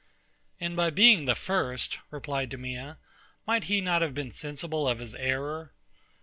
And by being the first, replied DEMEA, might he not have been sensible of his error?